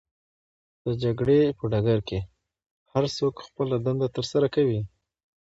د جګړې په ډګر کې هرڅوک خپله دنده ترسره کوي.